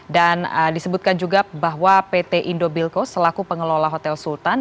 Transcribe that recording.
dan disebutkan juga bahwa pt indobilco selaku pengelola hotel sultan